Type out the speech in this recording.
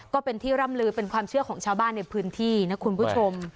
ก็เป็นที่ร่ำลือเป็นความเชื่อของชาวบ้านในพื้นที่นะคุณผู้ชม